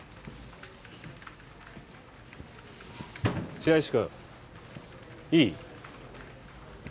白石君いい？